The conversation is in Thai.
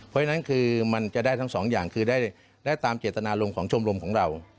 เพราะฉะนั้นคือมันจะได้ทั้งสองอย่างคือได้ตามเจตนารมณ์ของชมรมของเรา